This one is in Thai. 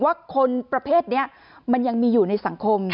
ว่าคนประเภทนี้มันยังมีอยู่ในสังคม